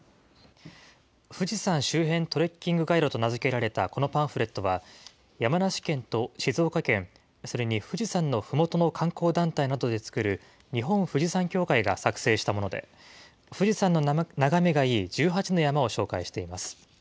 富士山周辺トレッキングガイドと名付けられたこのパンフレットは、山梨県と静岡県、それに富士山のふもとの観光団体などで作る日本富士山協会が作成したもので、富士山の眺めがいい１８の山を紹介しています。